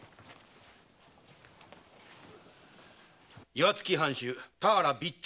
岩槻藩主・田原備中